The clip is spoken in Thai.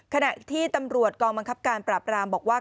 ขณะที่ตำรวจกองบังคับการปราบรามบอกว่า